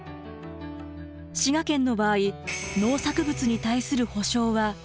滋賀県の場合農作物に対する補償はありません。